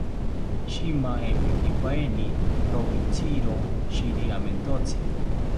Shimaempikipaeni rowitziro shiriamentotzi